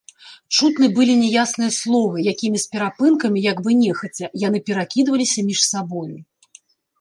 Чутны былі няясныя словы, якімі з перапынкамі, як бы нехаця, яны перакідаліся між сабою.